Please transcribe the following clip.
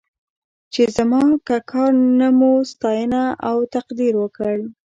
چې زما که کار نه مو ستاینه او تقدير وکړ.